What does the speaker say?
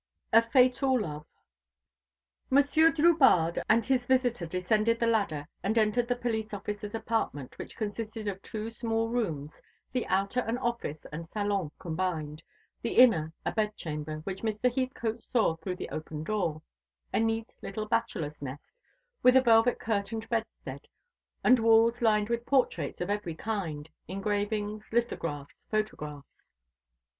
A FATAL LOVE. Monsieur Drubarde and his visitor descended the ladder, and entered the police officer's apartment, which consisted of two small rooms, the outer an office and salon combined, the inner a bedchamber, which Mr. Heathcote saw through the open door: a neat little bachelor's nest, with a velvet curtained bedstead, and walls lined with portraits of every kind engravings, lithographs, photographs.